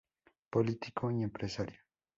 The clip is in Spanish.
Político y empresario.